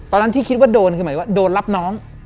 ตอนนั้นที่คิดว่าโดนคือหมายว่าโดนรับน้อง